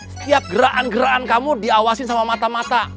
setiap gerakan gerakan kamu diawasin sama mata mata